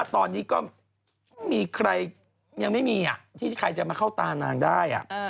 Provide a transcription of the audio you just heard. ตอนนี้ก็มีใครยังไม่มีที่ใครจะมาเข้าตานางได้